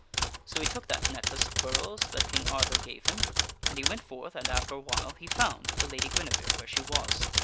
So he took that necklace of pearls that King Arthur gave him, and he went forth and, after awhile, he found the Lady Guinevere where she was.